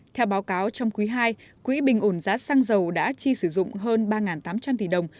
theo báo cáo trong quý ii quỹ bình ổn giá xăng dầu đã chi sử dụng hơn ba tám trăm linh tỷ đồng